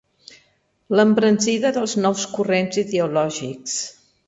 L'embranzida dels nous corrents ideològics.